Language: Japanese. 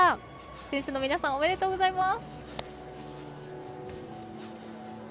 選手の皆さんおめでとうございます。